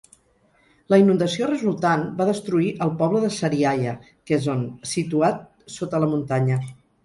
La inundació resultant va destruir el poble de Sariaya, Quezon, situat sota la muntanya.